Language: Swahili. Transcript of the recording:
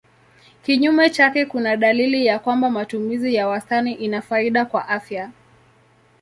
Kinyume chake kuna dalili ya kwamba matumizi ya wastani ina faida kwa afya.